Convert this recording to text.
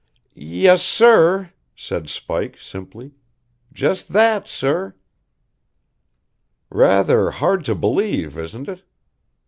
"Yes, sir," said Spike simply. "Just that, sir." "Rather hard to believe, isn't it?"